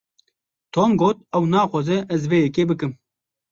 Tom got ew naxwaze ez vê yekê bikim.